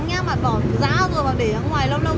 trời nắng nhé bạn bỏ ra rồi để ra ngoài lâu lâu